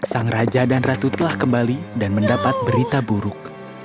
sang raja dan ratu telah kembali dan mendapat berita buruk